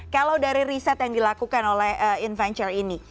kalau dari riset yang dilakukan oleh inventure ini